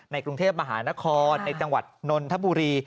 กรุงเทพมหานครในจังหวัดนนทบุรี